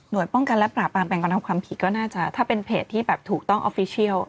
โดยป้องกันและปราบปรามการกระทำความผิดก็น่าจะถ้าเป็นเพจที่แบบถูกต้องออฟฟิเชียล